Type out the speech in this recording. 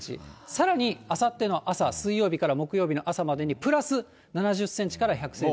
さらにあさっての朝、水曜日から木曜日の朝にプラス７０センチから１００センチ。